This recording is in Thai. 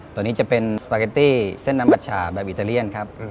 ตัวนี้จะเป็นสปาเกตตี้เส้นน้ำอัชชาแบบอิตาเลียนครับ